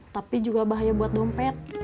tapi juga bahaya buat dompet